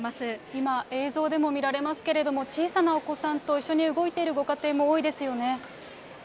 今、映像でも見られますけれども、小さなお子さんと一緒に動いているご家庭も多いですよね。